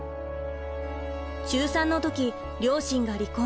中３の時両親が離婚。